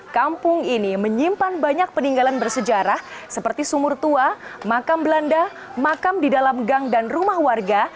kampung ini menyimpan banyak peninggalan bersejarah seperti sumur tua makam belanda makam di dalam gang dan rumah warga